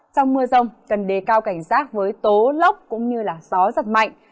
trong mưa rông cần đề cao cảnh rác với tố lóc cũng như gió giật mạnh